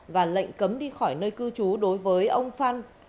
và lệnh cấm đi khỏi nơi cư trú đối với ông phan